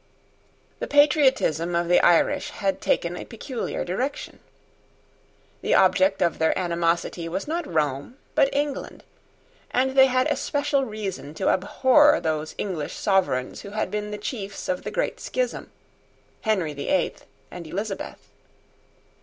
The patriotism of the Irish had taken a peculiar direction. The object of their animosity was not Rome, but England; and they had especial reason to abhor those English sovereigns who had been the chiefs of the great schism, Henry the Eighth and Elizabeth.